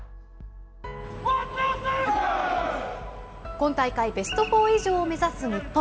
今大会、ベストフォー以上を目指す日本。